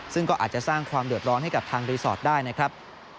ซึ่งก็อาจจะสร้างความเดือดร้อนให้กับทางรีสอร์ทได้นะครับ